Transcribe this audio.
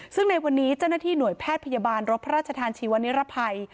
ซึ่งในวันนี้เจ้าหน้าที่หน่วยแพทย์พยาบาลรบพระราชทานชีวนิรภัย